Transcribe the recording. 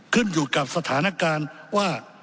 ขึ้นอยู่กับสถานการณ์ว่า